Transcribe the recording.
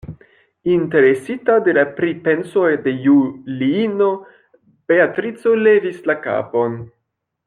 Interesita de la pripensoj de Juliino, Beatrico levis la kapon.